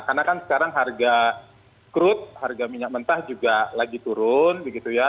karena kan sekarang harga krut harga minyak mentah juga lagi turun gitu ya